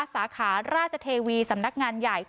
สาขาราชเทวีสำนักงานใหญ่